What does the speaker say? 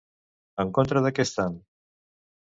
En contra de què estan?